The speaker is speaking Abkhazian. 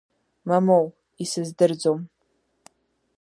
Мамоу, исыздырӡом!